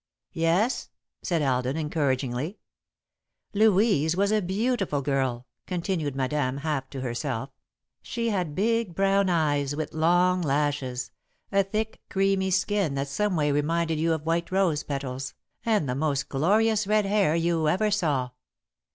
"Yes?" said Alden, encouragingly. "Louise was a beautiful girl," continued Madame, half to herself. "She had big brown eyes, with long lashes, a thick, creamy skin that someway reminded you of white rose petals, and the most glorious red hair you ever saw.